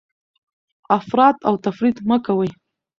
افراط او تفریط مه کوئ.